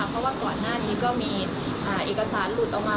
เพราะว่าก่อนหน้านี้ก็มีเอกสารหลุดออกมา